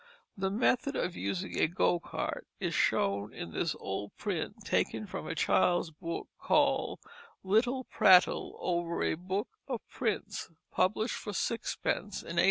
The method of using a go cart is shown in this old print taken from a child's book called, Little Prattle over a Book of Prints, published for sixpence in 1801.